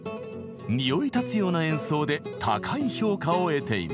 匂い立つような演奏で高い評価を得ています。